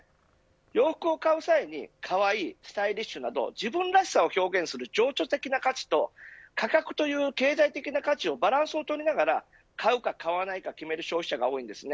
洋服を買う際にかわいい、スタイリッシュなど自分らしさを表現する情緒的な価値と価格という経済的な価値をバランスを取りながら買うか、買わないか決める消費者が多いです。